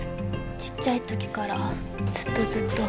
ちっちゃい時からずっとずっと。